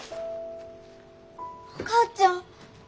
お母ちゃん。